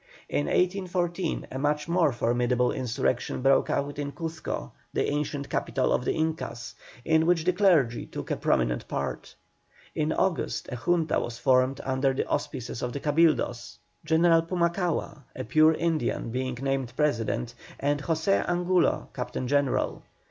In 1814 a much more formidable insurrection broke out in Cuzco, the ancient capital of the Incas, in which the clergy took a prominent part. In August a Junta was formed under the auspices of the Cabildos, General Pumacahua, a pure Indian, being named President, and José Angulo Captain General.